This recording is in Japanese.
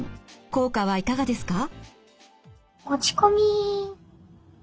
効果はいかがですか？